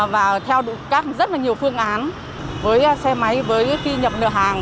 và theo đủ các rất là nhiều phương án với xe máy với khi nhập lựa hàng